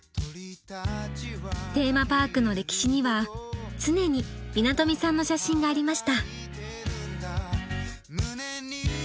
テーマパークの歴史には常に稲富さんの写真がありました。